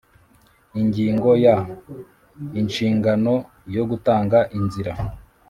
Ingingo ya inshingano yo gutanga inzira